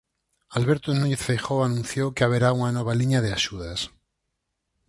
Alberto Núñez Feijóo anunciou que haberá unha nova liña de axudas.